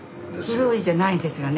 古いじゃないんですがね